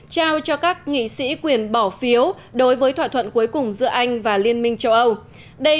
trao cho các nghị sĩ quyền bỏ phiếu đối với thỏa thuận cuối cùng giữa anh và liên minh châu âu đây